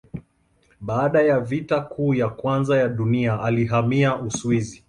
Baada ya Vita Kuu ya Kwanza ya Dunia alihamia Uswisi.